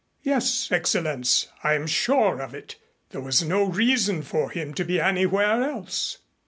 "Yes, Excellenz. I am sure of it. There was no reason for him to be anywhere else."